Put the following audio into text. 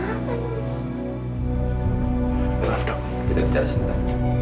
maaf dok tidak dicara singkat